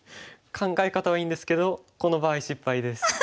考え方はいいんですけどこの場合失敗です。